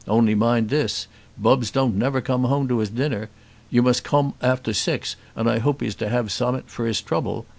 Only mind this; Bubbs don't never come home to his dinner. You must come arter six, and I hope he's to have some'at for his trouble.